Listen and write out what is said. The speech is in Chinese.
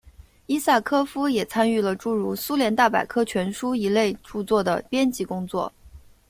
伊萨科夫也参与了诸如苏联大百科全书一类着作的编辑工作。